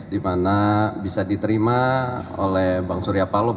dimana bisa diterima oleh bang surya palo